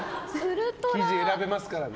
生地、選べますからね。